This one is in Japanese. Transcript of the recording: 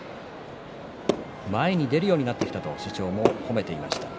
前に出るようになってきたと師匠も褒めていました。